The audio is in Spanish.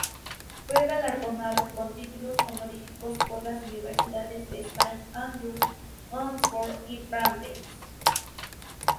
Fue galardonado con títulos honoríficos por las universidades de Saint Andrews, Oxford y Brandeis.